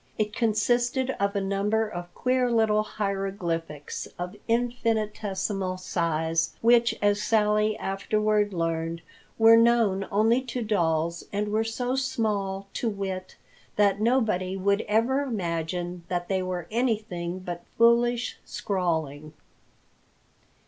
It consisted of a number of queer little hieroglyphics of infinitesimal size, which, as Sally afterward learned, were known only to dolls and were so small, to wit, that nobody would ever imagine that they were anything but foolish scrawling.